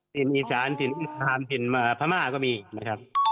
ซินอิสานซินภาพซินพม่าก็มีนะครับ